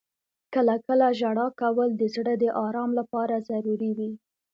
• کله کله ژړا کول د زړه د آرام لپاره ضروري وي.